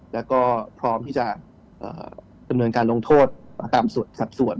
และก็พร้อมที่จะเงินการลงโทษตามสับสวน